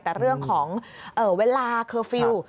แต่เรื่องของเวลาเคอร์ฟิลล์